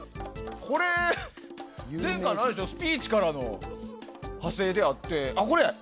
これ、前回のスピーチからの派生であって。